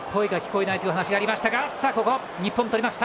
声が聞こえないという話がありましたが。